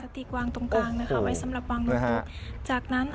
ตีกวางตรงกลางนะคะไว้สำหรับวางลงจากนั้น